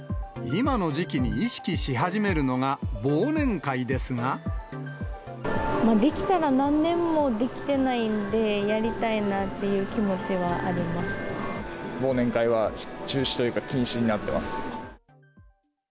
今の時期に意識し始めるのがまあ、できたら何年もできてないので、やりたいなっていう気持ちはあり忘年会は中止というか、禁止になってます。